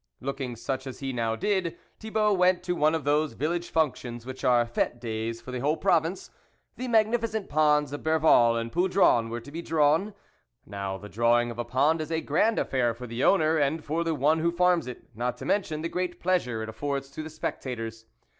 Looking such as he now did, Thibault went to one of those vil lage functions, which are fete days for the whole province. The magnificent ponds of Berval and Poudron were to be drawn. Now the drawing of a pond is a grand affair for the owner, or for the one who farms it, not to mention the great pleasure it affords to the spectators.